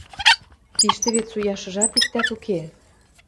— Тиштӹ вет суяшыжат иктӓт уке!